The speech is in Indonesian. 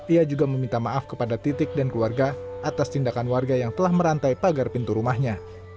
ia juga meminta maaf kepada titik dan keluarga atas tindakan warga yang telah merantai pagar pintu rumahnya